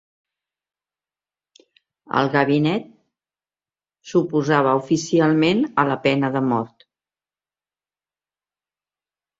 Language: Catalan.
El gabinet s'oposava oficialment a la pena de mort.